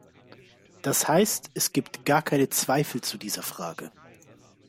Das heißt, es gibt gar keine Zweifel zu dieser Frage.